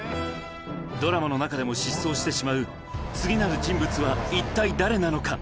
ドラマの中でも失踪してしまう次なる人物は一体誰なのか。